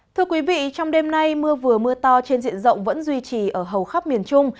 thưa quý vị trong đêm nay mưa vừa mưa to trên diện rộng vẫn duy trì ở hầu khắp miền trung